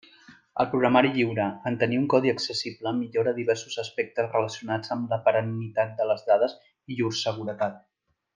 El programari lliure, en tenir un codi accessible, millora diversos aspectes relacionats amb la perennitat de les dades i llur seguretat.